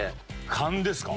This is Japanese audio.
勘ですか。